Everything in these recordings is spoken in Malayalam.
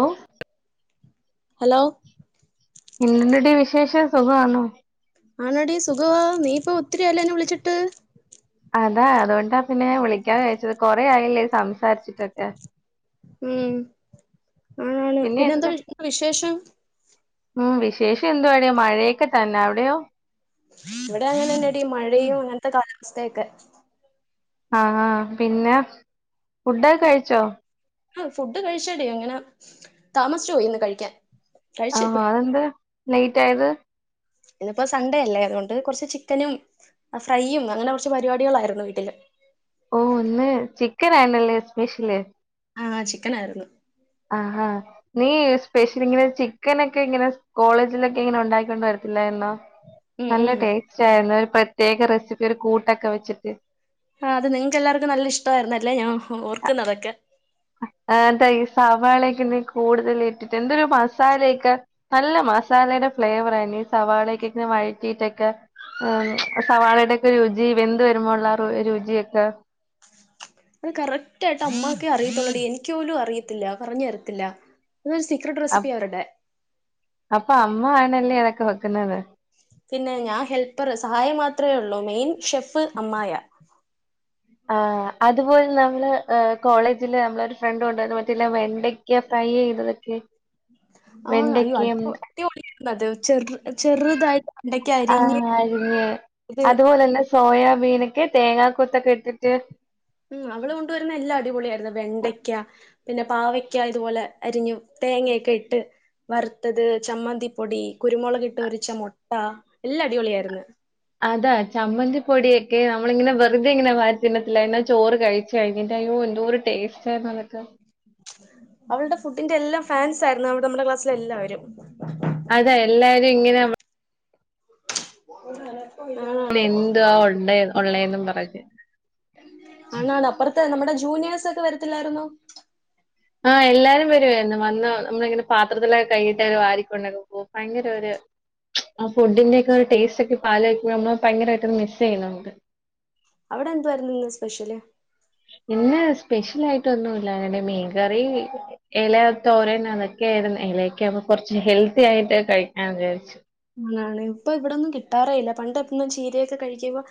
ഓ ഹലോ എന്തുണ്ടെടീ വിശേഷം സുഖാണോ ആണെടീ സുഖവാ നീയിപ്പൊ ഒത്തിരിയായല്ലോ എന്നെ വിളിച്ചിട്ട് അതാ അതുകൊണ്ടാ പിന്നെ ഞാൻ വിളിക്കാ വിചാരിച്ചത് കൊറേ ആയില്ലേ സംസാരിച്ചിട്ടൊക്കെ ഉം ആണാ ണ് പിന്നെ പിന്നെന്താ എന്ത് വിശേഷം ഉം വിശേഷം എന്തുവാടി മഴയൊക്കെ തന്നെ അവിടെയോ ഇവിടെ അങ്ങനെന്നെടി മഴയും അങ്ങനത്തെ കാ [unintelligible] ആ ആ പിന്നെ ഫുഡൊ പിന്നെ കഴിച്ചോ ആ ഫുഡ് കഴിച്ചെടി അങ്ങനെ താമസിച്ചു പോയിന്ന് കഴിക്കാൻ ആ കഴിച്ചു ഇപ്പൊ. അതെന്ത് ലെയ്റ്റായത് ഇന്നിപ്പോ സൺഡേ അല്ലേ അതുകൊണ്ട് കൊറച്ച് ചിക്കനും ഫ്രൈയും അങ്ങനെ കൊറച്ച് പരിപാടികളായിരുന്നു വീട്ടില് ഓ ഒന്ന് ചിക്കൻ ആണല്ലേ സ്പെഷ്യല് ആ ചിക്കൻ ആയിരുന്നു ആ നീ സ്പെഷ്യല് ങ്ങനെ ചിക്കനൊക്കെ ങ്ങനെ കോളേജിലൊക്കെ ഇങ്ങനെ ഉണ്ടാക്കൊണ്ട് വരത്തില്ലായിരുന്നോ ഉം ഉം നല്ല ടേസ്റ്റ് ആയിരുന്നു പ്രത്യേക റെസിപ്പി ഒരു കൂട്ടൊക്കെ വെച്ചിട്ട് ആ അത് നിങ്ങക്ക്ല്ലാർക്കും നല്ല ഇഷ്ടമായിരുന്നല്ലേ ഞാൻ ഓർക്കുന്നതൊക്കെ എ ഈ സവാളക്കെ കൂടുതൽ ഇട്ടിട്ട് എന്തൊരു മസാലൊക്കെ നല്ല മസാലയുടെ ഫ്ലേവറായിരുന്നുഈ സവാളക്കെ വഴറ്റിയിട്ടൊക്കെ സവാളയുടെ ഒക്കെ രുചി വെന്ത് വരുമ്പോ ഉള്ള ആ രുചിയൊക്കെ അത് കറക്റ്റ് ആയിട്ട് അമ്മാക്കെ അറിയത്തുള്ളടി എനിക്ക്പോലും അറിയത്തില്ല പറഞ്ഞു തരത്തില്ല അതൊരു സീക്രട്ട് അപ് റെസിപ്പി അവരുടെ അപ്പൊ അമ്മ ആനല്ലേ അതൊ ക്കെ വെക്കുന്നത് പിന്നെ ഞാന് ഹെല്പ്പർ സഹായം മാത്രേ ഉള്ളൂ മെയിൻ ഷെഫ് അമ്മായ എ അതുപോലെ നമ്മള് എ കോളേജില് നമ്മളെഒരു ഫ്രണ്ട് കൊണ്ടുവന്ന് മറ്റല്ല വെണ്ടക്ക ഫ്രൈ ചെയ്തതൊക്കെ ആ അയ്യോ അ വെണ്ടയ്ക്കയും അടിപൊളി അത് ചെറ ചെറുതായിട്ട് വെണ്ടക്ക അരിഞ്ഞ് ആഹ് അരിഞ്ഞ് അത് അതുപോലെ തന്നെ സോയാബീനൊക്കെ തേങ്ങാക്കൊത്തൊക്കെ ഇട്ടിട്ട് ഉം അവള് കൊണ്ടുവരുന്ന എല്ലാ അടിപൊളിയായിരുന്നു വെണ്ടയ്ക്ക പിന്നെ പാവയ്ക്ക ഇതുപോലെ അരിഞ്ഞു തേങ്ങയൊക്കെ ഇട്ട് വറുത്തത് ചമ്മന്തിപ്പൊടി കുരുമുളക് ഇട്ട് പൊരിച്ച മൊട്ട എല്ലാം അടിപൊളിയായിര്ന്ന് അതാ ചമ്മന്തി പൊടിയൊക്കെ നമ്മളിങ്ങനെ വെറുതെ ഇങ്ങനെ വാരിത്തിന്നത്തില്ലേ എന്ന ചോറ് കഴിച്ചു കഴഞ്ഞിട്ട് അയ്യോ എന്തോരു ടേസ്റ്റ് ആയിരുന്നു അതൊക്കെ അവളുടെ ഫുഡിന്റെ എല്ലാം ഫാൻസ് ആയിരുന്നു അവടെ നമ്മുടെ ക്ലാസ്സിലെ എല്ലാവരും അതെ എല്ലാരും ഇങ്ങനെ [unintelligible] ആണാണ് എന്തുവാ ഒണ്ടേ ഉള്ളേെന്നും പറഞ്ഞു ജൂനിയേഴസൊക്കെ വരത്തില്ലായിരുന്നോ ആ എല്ലാരും വരുവായിരുന്ന് വന്ന് നമ്മളിങ്ങനെ പാത്രത്തിലൊക്കെ കൈയിട്ട് വാരിക്കൊണ്ടക്കെ പോ ഭയങ്കര ഒരു ആ ഫുഡിന്റൊക്കെ ഒരു ടേസ്റ്റ് ഒക്കെ ഇപ്പാലോയ്ക്കുമ്പോ നമ്മള് ഭയങ്കരായിട്ട് മിസ് ചെയ്യുന്നുണ്ട് അവിടെ എന്തുവായിരുന്നു ഇന്ന് സ്പെഷ്യല് പിന്നെ സ്പെഷ്യൽ ആയിട്ടൊന്നുല്ല അ മീൻകറി എല തോരൻ അതൊക്കെ ആയിരുന്നു എലക്കെ ആകുമ്പ കൊറച്ച് ഹെൽത്തി ആയിട്ട് കഴിക്കാ വിചാരിച്ചു അങ്ങനാണ് ഇപ്പൊ ഇവിടൊന്നും കിട്ടാറേ ഇല്ല പണ്ടൊന്നും ചീരയൊക്കെ കഴിക്കുമ്പോ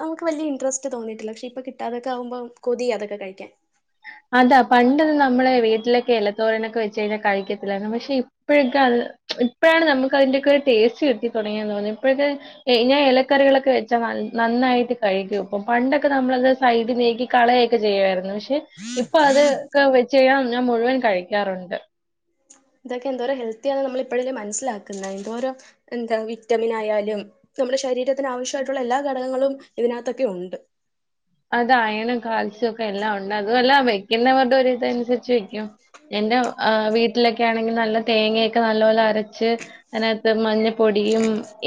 നമുക്ക് വല്യ ഇൻട്രസ്റ്റ് തോന്നിയിട്ടില്ല പക്ഷെ ഇപ്പൊ കിട്ടാതൊക്കെ ആകുമ്പോ കൊതി അതൊക്കെ കഴിക്കാൻ അതാ പണ്ടത് നമ്മളെ വീട്ടിലൊക്കെ എലത്തോരനൊക്കെ വെച്ച് കഴിഞ്ഞാൽ കഴിക്കത്തില്ലായിരുന്നു പക്ഷെ ഇപ്പോഴൊക്കെ അത് ഇപ്പോഴാണ് നമുക്ക് അതിന്റെയൊക്കെ ഒരു ടേസ്റ്റ് കിട്ടി തൊടങ്ങിയന്ന് തോന്നുന്നു ഇപ്പോഴൊക്കെ ഞാൻ ഇലക്കറികളൊക്കെ വെച്ചാ നന്നായിട്ട് കഴിക്കും ഇപ്പൊ പണ്ടൊക്കെ നമ്മളത് സൈഡിൽ നീക്കി കളയൊക്കെ ചെയ്യുയായിരുന്നു പക്ഷെ ഇപ്പൊ അത്ക്കെ വെച്ച് കയ്ഞ ഞാൻ മുഴുവൻ കഴിക്കാറുണ്ട് ഇതൊക്കെ എന്തോരോ ഹെൽത്തി ആണ് നമ്മൾ ഇപ്പോഴല്ലേ മനസ്സിലാക്കുന്നെ എന്തോരോ എന്താ വിറ്റമിൻ ആയാലും നമ്മുടെ ശരീരത്തിന് ആവശ്യായിട്ടുള്ള എല്ലാ ഘടകങ്ങളും ഇതിനകത്തൊക്കെ ഉണ്ട് അത് അയണും കാൽസ്യം ഒക്കെ എല്ലാം ഉണ്ട് അതുമല്ല വെക്കുന്നവരുടെ ഒരു ഇതനുസരിച്ച് വെക്കും എന്റെ വീട്ടിലൊക്കെ ആണെങ്കിൽ നല്ല തേങ്ങയൊക്കെ നല്ല പോോലെ അരച്ച് അതിനകത്ത് മഞ്ഞപ്പൊടിയും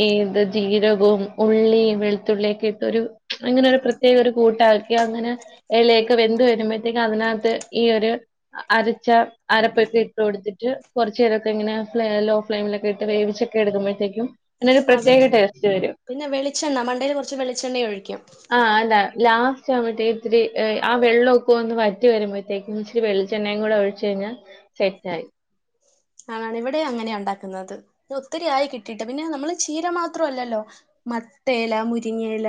ഏത് ജീരകവും ഉള്ളും വെളുത്തുള്ളിയൊക്കെ ഇട്ട് ഒരു അങ്ങനെ ഒരു പ്രത്യേക ഒരു കൂട്ടാക്കി അങ്ങനെ ഇലയൊക്കെ വെന്ത് വരുമ്പോഴത്തേക്കും അതിനകത്ത് ഈ ഒരു അരച്ച അരപ്പൊക്കെ ഇട്ട് കൊടുത്തിട്ട് കുറച്ചു നേരൊക്കെ ഇങ്ങനെ ഫ ലോ ഫ്ലെയിമിലൊക്കെ ഇട്ട് വേവിച്ചൊക്കെ എടുക്കുമ്പോഴത്തേക്കും അതിനൊരു ആ പ്രത്യേക ടേസ്റ്റ് വരും പിന്നെ വെളിച്ചെണ്ണ മണ്ടൽ കുറച്ച് വെളിച്ചെണ്ണ ഒഴിക്കും ആ അതാ ലാസ്റ്റ് ആവുമ്പോത്തേ ഇത്തിരി ആ വെള്ളമ ഒക്കെ ഒന്ന് വറ്റി വരുമ്പോഴത്തേക്കും ഇച്ചിരി വെളിച്ചെണ്ണയും കൂടെ ഒഴിച്ചച്ച് കഴിഞ്ഞാൽ സെറ്റ ആായി ഒത്തിരിയായി കിട്ടിയിട്ട് പിന്നെ നമ്മള് ചീര മാത്രമല്ലല്ലോ മത്തേല മുരിങ്ങല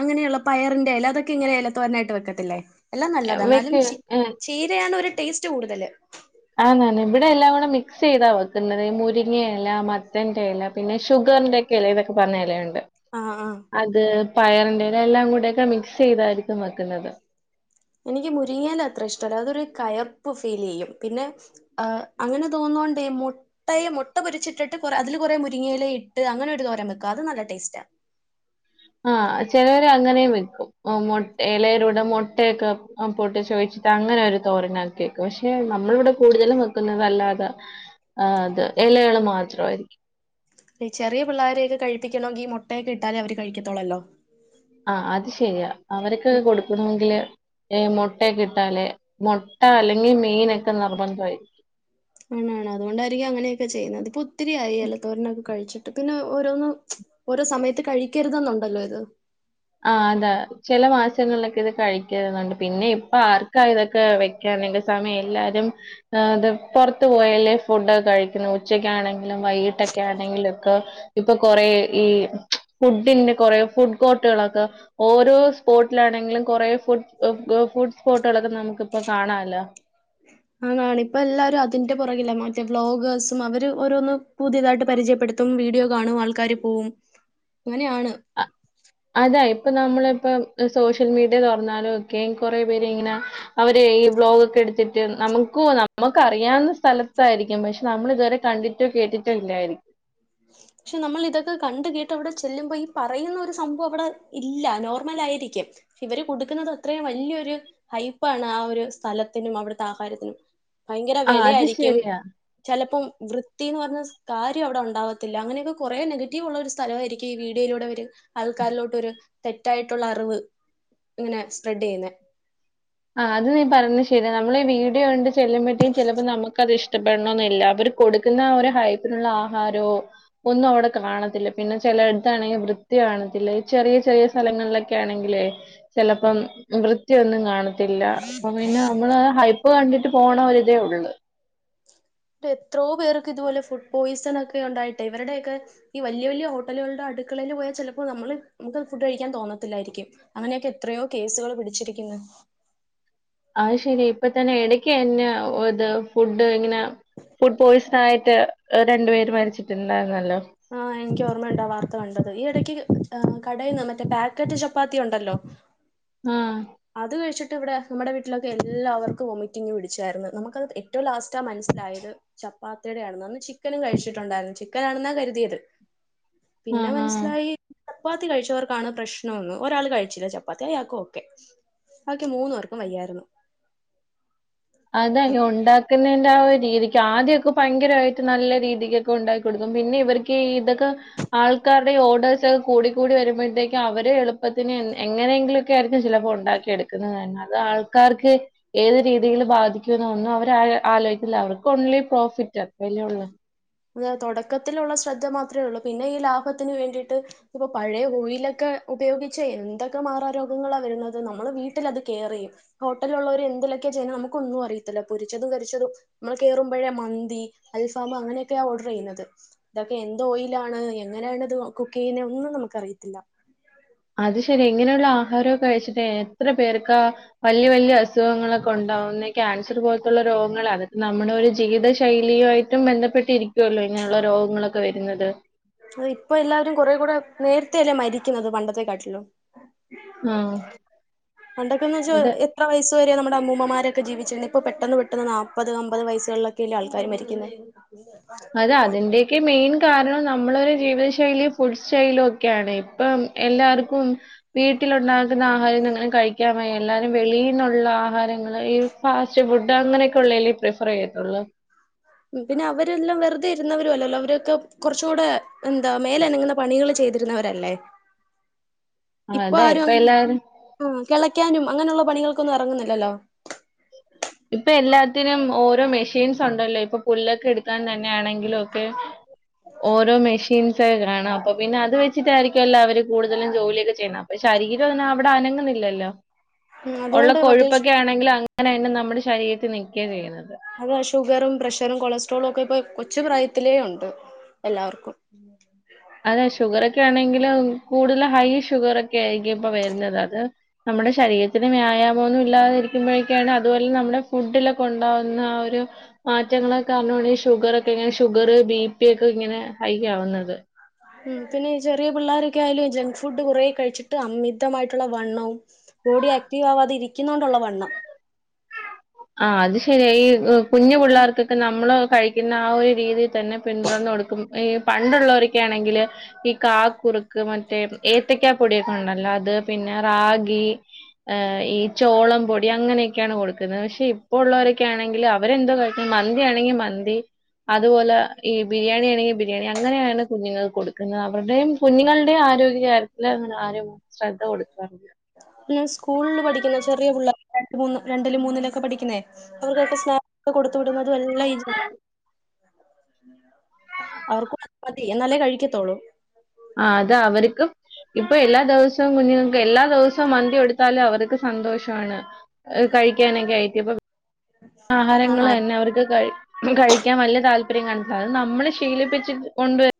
അങ്ങനെയുള്ള പയറിന്റെ അല അതൊക്കെ ഇങ്ങനെ അല തോരാനായിട്ട് വെക്കത്തില്ലേ എല്ലാം ഏഹ്, നല്ലതാണ് എന്നാലും വെക്ക് ച ഏഹ്, ചീരയാണ് ഒരു ടേസ്റ്റ് കൂടുതല് ആനന്നെ ഇവിടെ എല്ലാം കൂടെ മിക്സ് ചെയ്താ വെക്കുന്നത്ഈ മുരിങ്ങിയ ഇല മത്തന്റെ ഇല പിന്നെ ഷുഗറിന്റെറെ ഒക്കെ ഇല ഇതൊക്കെ പറഞ്ഞ ഇലുണ്ട് ആഹ് ആഹ് അതെ പയറിന്റെല എല്ലാം കൂടെൊക്കെ മിക്സ് ചെയ്തായിരിക്കും വെക്കുന്നത് എനിക്ക് മുരിങ്ങയില അത്ര ഇഷ്ടല്ല അതൊരു കയപ്പ് ഫീൽ ചെയ്യും പിന്നെ ർ അങ്ങനെ തോന്നുകോണ്ട് മുട്ടയെ മുട്ട പൊരിച്ചിട്ടിട്ട് കൊ അതില് കുറെ മുരിങ്ങയില ഇട്ട് അങ്ങനെ ഒരു തോരം വെക്കും അത് നല്ല ടേസ്റ്റ ആ ആഹ ചിലവർ അങ്ങനെ വെക്കും ഇലയിലൂടെ മുട്ടയൊക്കെ പൊട്ട് ചോദിച്ചിട്ട് അങ്ങനെ ഒരു തോരനാക്കി വെക്കും പക്ഷെ നമ്മളിവിടെ കൂടുതലും വെക്കുന്നതല്ലാതെ ആ ഇത് ഇലകൾ മാത്രമായിരിക്കും ചെറിയ പിള്ളോരെയൊക്കെ കഴിപ്പിക്കണമെങ്കിൽ ഈ മുട്ടയൊക്കെ ഇട്ടാലേ അവര് കഴിക്കത്തോളല്ലോ ആഹ അത് ശരിയാ അവരൊക്കക്കെ കൊടുക്കണമെങ്കില് ഏ മുട്ടയ കിട്ടാലേ മുട്ട അല്ലെങ്കിൽ മീനൊക്കെ നിർബന്ധമായിരിക്കും അണാണ് അതുകൊണ്ടായിരിക്കും അങ്ങനെയൊക്കെ ചെയ്യുന്നത് ഇപ്പൊ ഒത്തിരിയായി അല്ല തോരനൊക്കക്ക് കഴിച്ചു [unintelligible] പിന്നെ ഓരോന്നും ഓരോ സമയത്ത് കഴിക്കരുതന്നുണ്ടല്ലോ ഇത് [unintelligible] ആ അതാ ചില മാസങ്ങളിലൊക്കെ ഇത് കഴിക്കുന്നുണ്ട് പിന്നെ ഇപ്പ ആർക്കാ ഇതൊക്കെ വെക്കാനെങ്ക സമയം എല്ലാരും ഇത് പുറത്ത പോയല്ലേ ഫുഡൊക്ക കഴിക്കുന്നു ഉച്ചക്കാ ആണെങ്കിലും വൈകിട്ടൊക്കെ ആണെങ്കിലുംൊക്കെ ഇപ്പൊ കൊറെ ഈ ഫുഡിന്റെ കൊറെ ഫുഡ് ൊക്കെ ഓരോ സ്പോട്ടിലാണെങ്കിലും കുറെേ ഫു് ഫുഡ് സ്പോട്ടുകളൊക്കെ നമുക്ക്ിപ്പ കാണല്ല ആ കാണ ഇപ്പ എല്ലാരും അതിന്റെ പുറകില്ല മറ്റേ വ്ളോഗേഴ്സും അവര് ഓരോന്ന്ും പുതിയതായിട്ട് പരിചയപ്പെടുത്തും വീഡിയോ കാണും ആൾക്കാാര് പോവും അങ്ങനെയാണ് അതാ ഇപ്പൊ നമ്മളിപ്പൊ സോഷ്യൽ മീഡിയ തു പററഞ്ഞാലും ഒക്കെ കുറേ പേര് ഇങ്ങനെ അവര് ഈ ബ്ളോഗ ഒക്കെ എടുത്തിട്ട് നമുക്ക നമുക്ക് അറിയാവുന്ന സ്ഥലത്തായിരിക്കും പക്ഷെ നമ്മൾ ഇതുവരെ കണ്ടിട്ടോ കേട്ടിട്ടോ ഇല്ലായിരിക്കും പക്ഷെ നമ്മൾ ഇതൊക്കെ കണ്ട കേട്ട് അവിടെ ചെല്ലുമ്പോ ഈ പറയുന്ന ഒരു സംഭവം അവിടെ ഇല്ല നോർമൽ ആയിരിക്കും ഇവര് കൊടുക്കുന്നത് അത്രയും വലിയൊരു ഹൈപ്പാണ് ആ ഒരു സ്ഥലത്തിനും അവിടുത്തെ ആഹാരത്തിനും ഭയങ്കര ആ അത് വിലയായിരിക്കും ശരിയാ. ചിലപ്പം വൃത്തിന്ന് പറഞ്ഞ കാര്യം അവിടെ ഉണ്ടാവാ ല്ല അങ്ങനെയൊക്കെ കൊറെേ നെഗറ്റീവ് ഉള്ള ഒരു സ്ഥല ആരിക്കും ഈ വീഡിയോയിലൂടെ ഒരുര് ആൾക്കാരിലോട്ട് ഒരു തെറ്റായിട്ടുള്ള അറിവ് ഇങ്ങനെ സ്പ്രെഡ് ചെയ്യുന്ന ആ അത് നീ പറഞ്ഞത് ശരിയാ നമ്മള ഈ വീട് കൊണ്ട് ചെല്ലുമ്പഴേും ചിലപ്പോ നമുക്ക്ത് ഇഷ്ടപ്പെടണന്നല്ല അവർ കൊടുക്കുന്ന ഒരു ഹൈപ്പിനുള്ള ആഹാരമ ഒന്നും അവിടെ കാണത്തില്ല പിന്നെ ചില അടുത്താണെങ്കിൽ വൃത്തി കാണത്തില്ല ചെറിയ ചെറിയ സ്ഥലങ്ങളിലൊക്കെ ആണെങ്കിലേ ചിലപ്പം വൃത്തിയ ഒന്നും കാണത്തി അപ്പൊ പിന്നെ നമ്മള് ഹൈപ്പ് കണ്ടിട്ട് പോണ ഒരിതേ ഉള്ള എത്രോ പേർക്ക് ഇതുപോലെ ഫുഡ് പോയ്സൺ ഒക്കെ ഉണ്ടായിട്ട് ഇവരുടെയ ഒക്കെ ഈ വല്യ വല്യ ഹോട്ടലുകളുടെ അടുക്കളയിൽ പോയാൽ ചിലപ്പോ നമ്മള് നമുക്ക് ഫുഡ് കഴിക്കാൻ തോന്നത്തില്ലായിരിക്കും അങ്ങനെയൊക്കെ എത്രയോ കേസുകൾ പിടിച്ചിരിക്കുന്നു അയ് ശരി ഇപ്പ തന്നെ ഇടക്ക് എന്നെ ഇത് ഫുഡ് ഇങ്ങനെ ഫുഡ് പോയ്സൺ ആയിട്ട് രണ്ടുപേര് മരിച്ചിട്ടുണ്ടായിരുന്നല്ലോ ആഹ് എനിക്ക് ഓർമ്മയുണ്ടാ വാർത്ത കണ്ടത് ഈ ഇടക്ക് ആഹ് കടയിൽന്ന് മറ്റേ പാക്കറ്റ് ചപ്പാത്തി ഉണ്ടല്ലോ ആഹ് അത് കഴിച്ചിട്ട് ഇവിടെ നമ്മുടെ വീട്ടിലൊക്കെ എല്ലാവർക്കും വോമിറ്റിങ്ങ് പിടിച്ചായിരുന്നു നമുക്കത് ഏറ്റവും ലാസ്റ്റാ മനസ്സിലായത് ചപ്പാത്തിയുടെ ആണെന്ന് ചിക്കനും കഴിച്ചിട്ടുണ്ടായിരുന്നു ചിക്കനാണെന്നാ കരുതിയത് പിന്നെ ആഹ് ആഹ് മനസ്സിലായി ചപ്പാത്തി കഴിച്ചവർക്കാണ് പ്രശ്നൊന്നും ഒരാള് കഴിച്ചില്ല ചപ്പാത്തി അയാക്കോക്കെ അവർക്ക് മൂന്ന് പേർക്കും വയ്യായിരുന്നു അതെന്നെ ഉണ്ടാക്കുന്ന രീതിക്ക് ആദ്യൊക്കെ ഭയങ്കരായിട്ട് നല്ല രീതിക്കൊക്കെ ഉണ്ടാക്കി കൊടുക്കും പിന്നെ ഇവർക്ക് ഇതൊക്കെ ആൾക്കാരുടെ ഓർഡേഴ്സൊക്കെ കൂടി കൂടി വരുമ്പോഴത്തേക്കും അവരെ എളു പ്പത്തിന് എങ്ങനെങ്കിലും ചിലപ്പോ ഉണ്ടാക്കി എടുക്കുന്നത് തന്ന അത് ആൾക്കാർക്ക് ഏത് രീ ബാധികുന്നോ ഒന്നും അവര് ആലോചിക്കില്ല അവർക്ക് ൺലി പ്രോഫിറ്റ് അത്രല്ലേ ഒള്ളു അ തുടക്കത്തിലുള്ള ശ്രദ്ധ മാത്രമേ ഉള്ളൂ പിന്നെ ഈ ലാഭത്തിന് വേണ്ടിയിട്ട് ഇപ്പൊ പഴയ ഓയിലൊക്കെ ഉപയോഗിച്ച് എന്തൊക്കെ മാറാരോഗങ്ങളാ വരുന്നത് നമ്മള് വീട്ടിത് കെയർ ചെയ്യും ഹോട്ടലിലുള്ളോര് എന്തിലൊക്കെയാ ചെയ്യുന്നത് നമുക്കൊന്നും അറിയത്തില്ല പൊരിച്ചതും കരിച്ചതും നമ്മൾ കേറുമ്പോഴേ മന്തി അൽഫാം അങ്ങനെ ഓർഡർ ചെയ്യുന്നത് ഇതൊക്കെ എന്ത്‌ ഓയിലാണ് എങ്ങനെയാണ്ത് കുക്ക് ചെയ്യുന്നത് ഒന്നും നമുക്കറിയത്തില്ല അത് ശരി എങ്ങനെയുള്ള ആഹാരൊക്കെ കഴിച്ചിട്ട് എത്ര പേർക്കാ വല്യ വല്യ അസുഖങ്ങളൊക്കെ ഉണ്ടാവുന്ന ക്യാൻസർ പോൽത്തുള്ള രോഗങ്ങള അതെക്കെ നമ്മുടെ ഒര് ജീവ്ത ശൈലിയുയായിട്ടും ബെന്ധെപ്പെട്ടിരിക്കുവല്ലോ ഇങ്ങനെയ്ള്ള രോഗങ്ങളൊക്കെ വെ ര്ന്നത് ആഹ് ഇപ്പൊ എല്ലാവരും കൊറേ കൂടെ നേര്ത്തെ അല്ലേ മരിക്ക്ന്നത് പണ്ടത്തെക്കാട്ട്ലും ആഹ് പണ്ടൊക്കെന്ന് വെച്ചാ അതെ. എത്ര വയസ് ത്‌വരെ നമ്മടെ അമ്മൂമ്മമാരെക്കെ ജീവിച്ചിര്ന്ന് ഇപ്പൊ പെട്ടെന്ന് പെട്ടെന്ന് നാപ്പത് അമ്പത് വയസ്സ്കൾലൊക്കെയല്ലേ ആൾക്കാര് മരിക്ക്ന്നെ അതെ അതിന്റെയൊക്കെ മെയിൻ കാരണം നമ്മള് ജീവിത ശൈലി ഫുഡ് സ്റ്റൈലൊക്കെയാണ് ഇപ്പം എല്ലാർക്കും വീട്ടിലുണ്ടാ ക്ക്ന്ന ആഹാരം [unintelligible] കഴിക്കാൻ വയ്യ എല്ലാരും വെളീന്നു ള്ള ആഹാരങ്ങള് ഈ ഫാസ്റ്റ് ഫുഡ് അങ്ങനെയൊക്കെ ഉള്ളെ അല്ലേ ഇപ്പഴും ഫറെയെത്തൊള്ളൂ ഉം പിന്നെ അവരെല്ലം വെറ്തെ ഇര്ന്നവരും അല്ലല്ലോ അവരൊക്കെ കൊർച്ചുടെ എന്താ മേലനങ്ങ്ന്ന പണികള് ചെയ്തിര്ന്നവരല്ലേ ആഹ് അതാ ഇപ്പ എല്ലാവരും കെളയ്ക്കാനും അങ്ങനൊള്ള പണികൾക്കൊന്നും എറങ്ങ്ന്ന്ല്ലല്ലോ ഇപ്പൊ എല്ലാത്തിനും ഓരോ മെഷീൻസാെണ്ടല്ലോ ഇപ്പൊ പുല്ലൊക്കെ എട്ക്കാൻ തൻ ന്നാണെങ്കിലൊക്കെ ഓരോ മെഷീൻസെക്കെ കാണാ അപ്പൊ പിന്നെ അത് വെച്ചിട്ടായ്രി എല്ലാവരും കൂട്തല് ജോലിയൊക്കെ ചെയ്യ്ന്നെ അപ്പം ശരീരം എന്നാ അവ്ടെ അനങ്ങ്ന്ന്ല്ലല്ലോ ഉം ഒള്ള അതുകൊണ്ട് മറ്റേ കൊഴുപ്പൊക്കെ ആണെങ്കിലങ്ങ് അങ്ങനെന്നെ ന നമ്മടെ ശരീരത്തി നിക്കേ ചെയ്യുന്നത് അതാ ഷുഗറും പ്രഷറും കൊളസ്ട്രോളും ഒക്കെ ഇപ്പൊ കൊച്ചു പ്രായത്തിലേ ഒണ്ട് എല്ലാവർക്കും ല് കൂടുതല് ഹൈ ഷുഗറെക്കെ ആരിക്കും ഇപ്പോ വര്ണത് അത് നമ്മുടെ ശരീരത്തിന് വ്യായാമം ഒന്നും ഇല്ലാതെ ഇരിക്കുമ്പോഴേക്കാണ് അതുപോലെ നമ്മുടെ ഫുഡിലൊക്കെ ഒണ്ടാവുന്ന ആ ഒരു മാറ്റങ്ങള് കാരണമാണ് ഷുഗറൊക്കെങ്ങനെ ഷുഗറ് ബി പിയൊക്കെ ഇങ്ങനെ ഹൈ ആവുന്നത് ഉം പിന്നെ ചെറിയ പിള്ളോരൊക്കെ ആയാലും ജങ്ക് ഫുഡ് കൊറെ കഴിച്ചിട്ട് അമിതവായിട്ടുള്ള വണ്ണോം ബോഡി ആക്റ്റീവ് ആവാതെ ഇരിക്കുന്ന കൊണ്ടുള്ള വണ്ണം ആഹ് അത് ശെരിയാ ഈ കുഞ്ഞു പിള്ളേർക്കാക്കെ നമ്മള് കഴിക്കുന്ന ആ ഒരു രീതി തന്നെ പിന്തുടർന്ന് കൊടുക്കും ഈ പണ്ടുള്ളവരോക്കെയാണെങ്കില് ഈ കാക്കുറുക്ക് മറ്റേ ഏത്തക്കാ പൊടിയൊക്കെ ഒണ്ടല്ലോ അത് പിന്നെ റാഗി ഏഹ് ഈ ചോളം പൊടി അങ്ങനെയൊക്കെയാണ് കൊടുക്കുന്നത് പ പക്ഷേ ഇപ്പോ ഒള്ളവരൊക്കെയാണെങ്കില് അവരെന്തോ കഴിക്കുന്നത് മന്തിയാണെങ്കി മന്തി അതുപോലെ ഈ ബിരിയാണി ആണെങ്കി ബിരിയാണി അങ്ങനെയാണ് കുഞ്ഞുങ്ങക്ക് കൊടുക്കുന്നത് അവർടെയും കുഞ്ഞുങ്ങളുടെയും ആരോഗ്യ കാര്യത്തില് അങ്ങനെ ആരും ശ്രദ്ധ കൊടുക്കാറില്ല കൂള്ല് പഠിക്കുന്ന ചെറിയ പുള്ളേര് രണ്ട് രണ്ടിലും മൂന്നിലൊക്കെ പഠിക്കുന്നെ അവർക്കൊക്കെ സ്നാക്സ് കൊടുത്തുവിടുന്ന അതുവെല്ലാം [unintelligible] അവർക്ക് മതി എന്നാലേ കഴിക്കത്തോളൂ. ആഹ് അതവരിക്ക് ഇപ്പോ എല്ലാ ദേവസോം കുഞ്ഞുങ്ങക്ക് എല്ലാ ദേവസോം മന്തി കൊടുത്താലും അവർക്ക് സന്തോഷവാണ് കഴിക്കാനെ കഴിക്കും. ഇപ്പോ ആഹാരങ്ങളന്നെ അവർക്ക് കഴി കഴിക്കാൻ വല്യ താല്പര്യം കാണത്തില്ല. അത് നമ്മളെ ശീലിപ്പിച്ച് കൊണ്ടുവരു